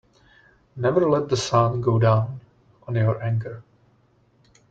Never let the sun go down on your anger.